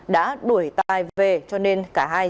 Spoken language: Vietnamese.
đã đuổi tài về cho nên cả hai